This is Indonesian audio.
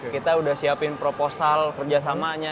kita sudah menyiapkan proposal kerjasamanya